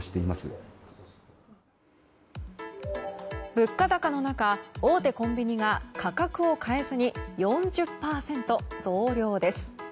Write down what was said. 物価高の中大手コンビニが価格を変えずに４０％増量です。